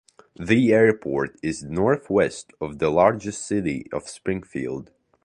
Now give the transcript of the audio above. The airport is northwest of the larger city of Springfield.